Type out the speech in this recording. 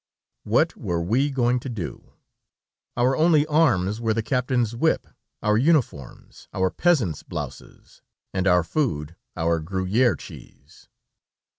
What were wre going to do? Our only arms were the captain's whip, our uniforms, our peasants' blouses, and our food our Gruyère cheese.